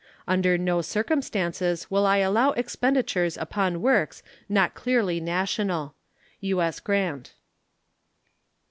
Under no circumstances will I allow expenditures upon works not clearly national. U.S. GRANT.